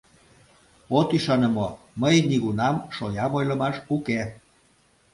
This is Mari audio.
— От ӱшане мо: мый нигунам шоям ойлымаш уке.